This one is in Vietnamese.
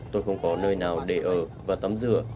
tôi không có nơi nào để ở và tắm rửa